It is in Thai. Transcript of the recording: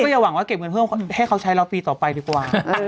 อย่าหวังว่าเก็บเงินเพิ่มให้เขาใช้เราปีต่อไปดีกว่า